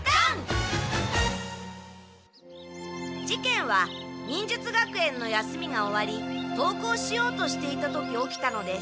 事件は忍術学園の休みが終わり登校しようとしていた時起きたのです。